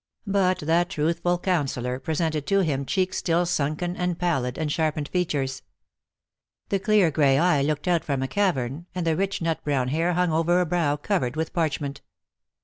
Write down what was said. But that truthful counsellor presented to him cheeks still sunken and pallid, and sharpened features. The clear gray eye looked out from a cavern, and the rich nut brown hair hung over a brow covered with parchment.